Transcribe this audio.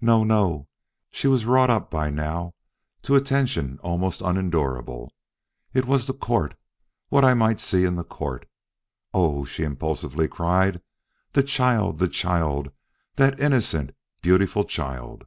"No, no." She was wrought up by now to a tension almost unendurable. "It was the court what I might see in the court. Oh!" she impulsively cried: "the child! the child! that innocent, beautiful child!"